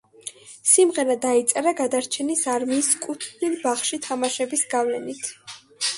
სიმღერა დაიწერა გადარჩენის არმიის კუთვნილ ბაღში თამაშების გავლენით.